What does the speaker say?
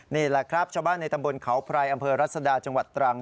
นี่แหละครับชาวบ้านในตำบลเขาไพรอำเภอรัศดาจังหวัดตรัง